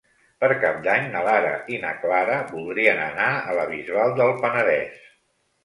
Per Cap d'Any na Lara i na Clara voldrien anar a la Bisbal del Penedès.